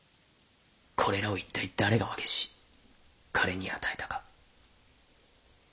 これらを一体誰が和解し彼に与えたか。